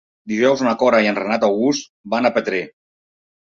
Dijous na Cora i en Renat August van a Petrer.